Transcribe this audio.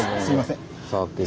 すいません。